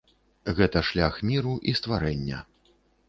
Гэта шлях міру і стварэння.